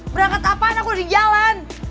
berangkat apaan aku udah di jalan